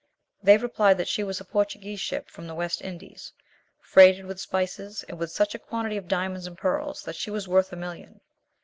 They replied that she was a Portuguese ship from the West Indies, freighted with spices, and with such a quantity of diamonds and pearls that she was worth a million.